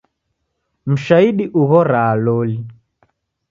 Mshaidi ughoraa loli.